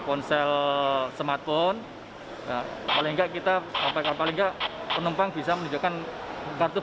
ponsel smartphone paling paling kita sampai ke paling nggak penumpang bisa menunjukkan kartu